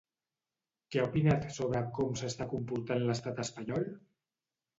Què ha opinat sobre com s'està comportant l'estat espanyol?